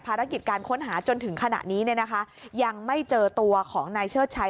ภารกิจการค้นหาจนถึงขณะนี้เนี่ยนะคะยังไม่เจอตัวของนายเชิดชัย